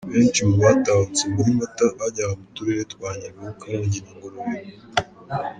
Benshi mu batahutse muri Mata bajyaga mu turere twa Nyabihu, Karongi na Ngororero.